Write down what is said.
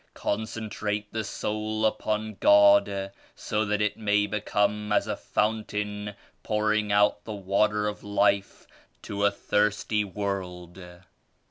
Concentrate the soul upon God so that it may become as a fountain pouring out the Water of Life to a thirsty world.